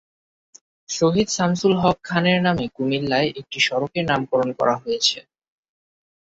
শহীদ সামসুল হক খানের নামে কুমিল্লায় একটি সড়কের নামকরণ করা হয়েছে।